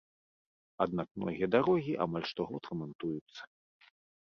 Аднак многія дарогі амаль штогод рамантуюцца.